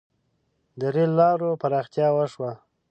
• د رېل لارو پراختیا وشوه.